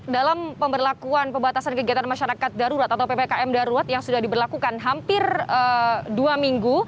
dalam pemberlakuan pembatasan kegiatan masyarakat darurat atau ppkm darurat yang sudah diberlakukan hampir dua minggu